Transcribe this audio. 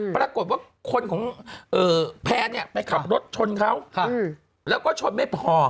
ปรากฏว่าคนของแพนเนี่ยไปขับรถชนเขาแล้วก็ชนไม่พอ